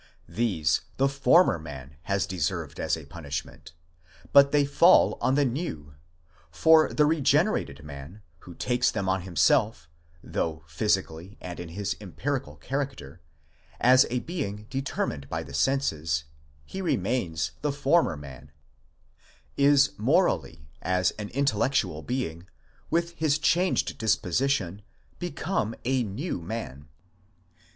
These the former man has deserved as a punishment, but they fall on the new: for the regenerated man, who takes them on himself, though physically and in his empirical character, as a being determined by the senses, he remains the former man; is morally, as an intellectual being, with his changed disposition, become a new man.